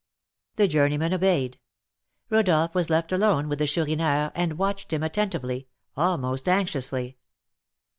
The journeyman obeyed. Rodolph was left alone with the Chourineur, and watched him attentively, almost anxiously.